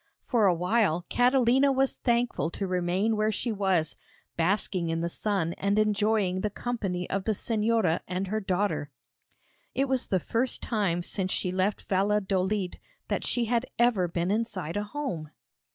For a while Catalina was thankful to remain where she was, basking in the sun and enjoying the company of the Señora and her daughter. It was the first time since she left Valladolid that she had ever been inside a home.